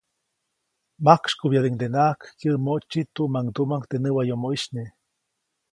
Majksykubyädiʼuŋdenaʼajk kyäʼmoʼtsi tuʼmaŋduʼmaŋ teʼ näwayomoʼisy nye.